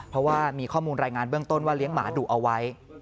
เพราะว่ามีข้อมูลรายงานเบื้องต้นว่าเลี้ยงหมาดุเอาไว้